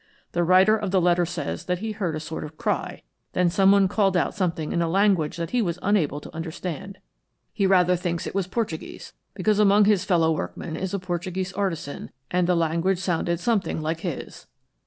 The writer of the letter says that he heard a sort of cry, then someone called out something in a language that he was unable to understand. He rather thinks it was Portuguese, because among his fellow workmen is a Portuguese artisan, and the language sounded something like his."